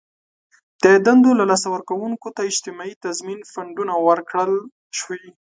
د دندو له لاسه ورکوونکو ته اجتماعي تضمین فنډونه ورکړل شي.